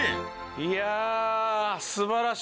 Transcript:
いや。